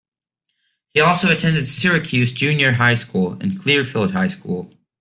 He also attended Syracuse Junior High School, and Clearfield High School.